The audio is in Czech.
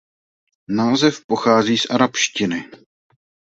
Název pochází z arabštiny.